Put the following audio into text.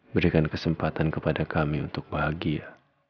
berikan kesempatan kepada kami untuk bahagia